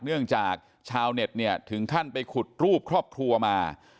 เนื่องจากชาวเน็ตเนี่ยถึงขั้นไปขุดรูปครอบครัวมา